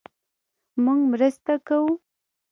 مونږ مرسته کوو